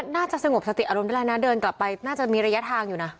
น่าจะสงบสติอารมณ์ได้นะเดินกลับไปน่าจะมีระยะทางอยู่นะ